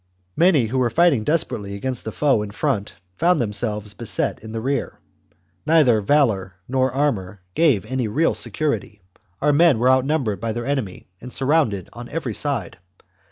Many who were fighting desperately against the foe in front found themselves beset in the rear. Neither valour nor armour gave any real security, our men were outnumbered by their enemy and surrounded on every side.